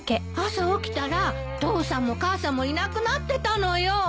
朝起きたら父さんも母さんもいなくなってたのよ。